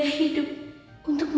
apaan kini sudah tersenyum